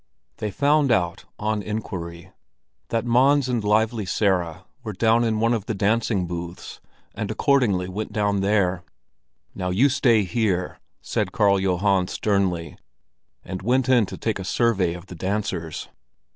They found out on inquiry that Mons and Lively Sara were down in one of the dancing booths, and accordingly went down there. "Now you stay here!" said Karl Johan sternly, and went in to take a survey of the dancers.